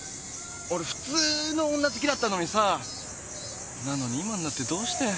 俺普通の女好きだったのにさなのに今になってどうして？